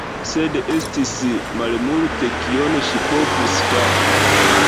Sed estis malmulte kion ŝi povus fari.